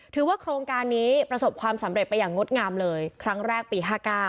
โครงการนี้ประสบความสำเร็จไปอย่างงดงามเลยครั้งแรกปี๕๙